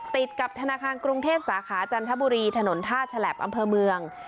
ติดกับธนาคารกรุงเทพสาขาจันทบุรีถนนท่าฉลับอำเภอเมือง